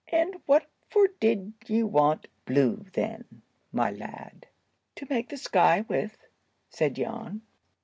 "And what for did ye want blue, then, my lad?" "To make the sky with," said Jan.